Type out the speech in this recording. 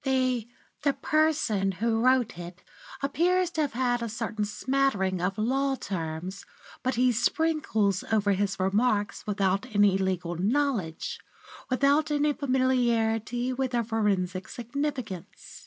The the person who wrote it appears to have had a certain smattering of law terms, which he sprinkles over his remarks without any legal knowledge, without any familiarity with their forensic significance.